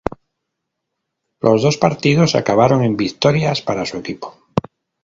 Los dos partidos acabaron en victorias para su equipo.